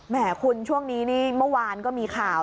แหมคุณช่วงนี้มะวานก็มีข่าว